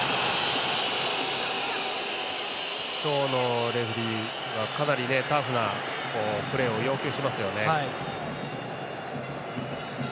今日のレフェリーはかなりタフなプレーを要求しますよね。